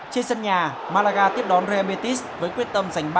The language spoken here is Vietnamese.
trên sân nhà malaga tiếp đón real métis với quyết tâm giành ba điểm